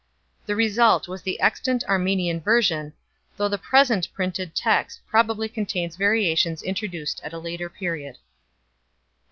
The result was the extant Armenian version, though the present printed text pro bably contains variations introduced at a later period 1 .